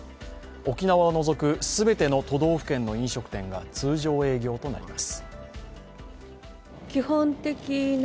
沖縄を除く、すべての都道府県の飲食店が通常営業となります。